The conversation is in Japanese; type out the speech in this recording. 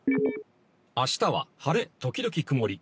明日は晴れ時々くもり。